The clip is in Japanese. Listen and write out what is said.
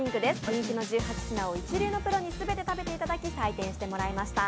人気の１８品を一流のプロに全て食べていただき採点していただきました。